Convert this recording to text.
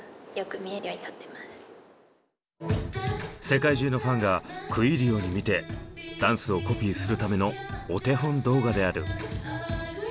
世界中のファンが食い入るように見てダンスをコピーするためのお手本動画である。